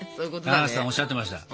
棚橋さんおっしゃってました。